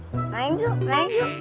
lain yuk lain yuk